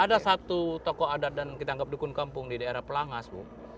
ada satu tokoh adat dan kita anggap dukun kampung di daerah pelangas bu